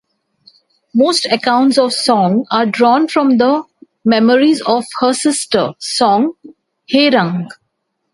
Most accounts of Song are drawn from the memoirs of her sister, Song Hye-rang.